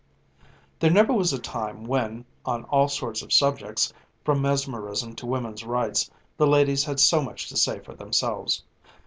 There never was a time when, on all sorts of subjects, from Mesmerism to Woman's Rights, the ladies had so much to say for themselves.